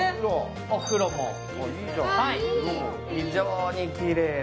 お風呂も、非常にきれいな。